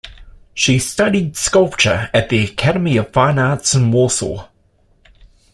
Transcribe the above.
She studied sculpture at the Academy of Fine Arts in Warsaw.